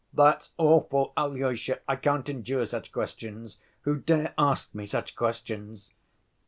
That's awful, Alyosha. I can't endure such questions. Who dare ask me such questions?"